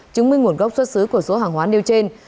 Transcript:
chứng minh nguồn gốc xuất xứ của số hàng hóa nêu trên